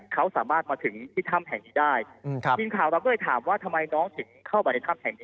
เขาสามารถมาถึงที่ถ้ำแห่งนี้ได้ทีมข่าวเราก็เลยถามว่าทำไมน้องถึงเข้าไปในถ้ำแห่งนี้